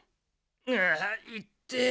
ああいってえ！